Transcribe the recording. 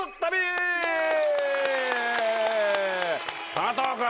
佐藤君！